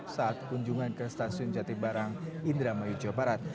saat kunjungan ke stasiun jatimbarang indramayu jawa barat